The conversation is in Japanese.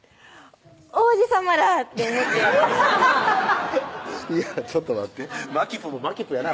王子さまだ！って思っていやちょっと待ってまきぷもまきぷやな